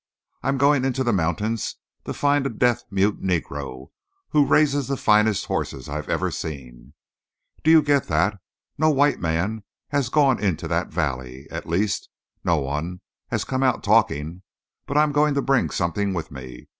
I'm going into the mountains to find a deaf mute Negro who raises the finest horses I've ever seen. Do you get that? No white man has gone into that valley; at least, no one has come out talking. But I'm going to bring something with me.